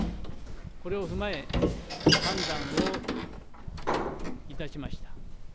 これを踏まえ、判断をいたしました。